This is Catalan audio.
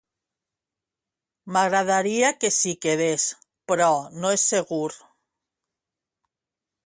M'agradaria que s'hi quedés, però no és segur.